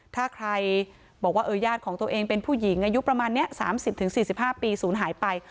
ถ้าใครบอกว่าญาติของตัวเองเป็นผู้หญิงอายุประมาณนี้๓๐๔๕ปีศูนย์หายไป